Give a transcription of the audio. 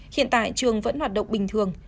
hiện tại trường vẫn hoạt động bình thường